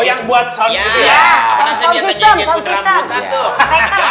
iya saya sendiri